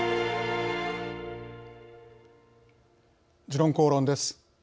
「時論公論」です。